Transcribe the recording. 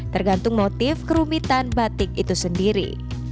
tergantung motif kerumitan batik itu sendiri